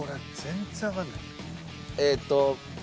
えっと